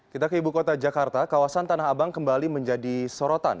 kita ke ibu kota jakarta kawasan tanah abang kembali menjadi sorotan